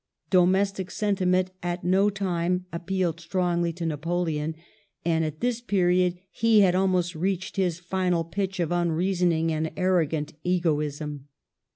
Domestic senti ment at no time appealed strongly to Napoleon, and at this period he had almost reached his final pitch of unreasoning and arrogant egoism.